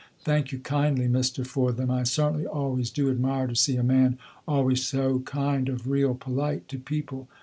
Thank you kindly mister, for them. I certainly always do admire to see a man always so kind of real polite to people."